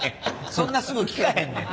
そんなすぐ効かへんねん。